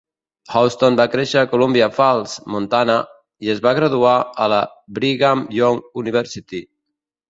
Houston va créixer a Columbia Falls, Montana, i es va graduar a la Brigham Young University.